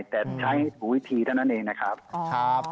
แต่ใช้ถูกวิธีเท่านั้นเองนะครับ